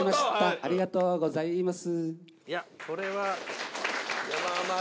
ありがとうございます。